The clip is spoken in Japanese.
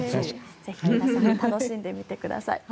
ぜひ、皆さん楽しんでみてください。